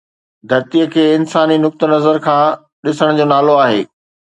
ڌرتيءَ کي انساني نقطه نظر کان ڏسڻ جو نالو آهي